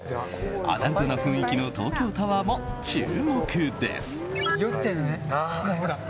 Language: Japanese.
アダルトな雰囲気の東京タワーも注目です。